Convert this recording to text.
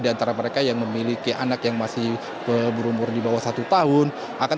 di antara mereka yang memiliki anak yang masih berumur di bawah satu tahun